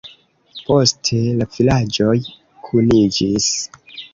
Poste la vilaĝoj kuniĝis.